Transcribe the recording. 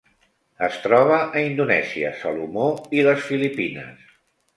Es troba a Indonèsia, Salomó i les Filipines.